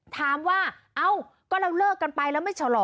ถามว่าเอ้าก็เราเลิกกันไปแล้วไม่ชะลอ